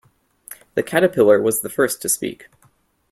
The Caterpillar was the first to speak.